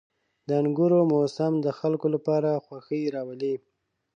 • د انګورو موسم د خلکو لپاره خوښي راولي.